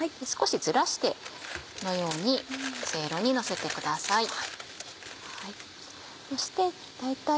少しずらしてこのようにセイロにのせてください。